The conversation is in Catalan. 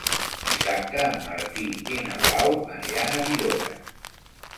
Dissabte en Martí i na Blau aniran a Villores.